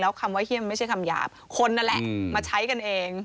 คำว่าเยี่ยมไม่ใช่คำหยาบคนนั่นแหละมาใช้กันเอง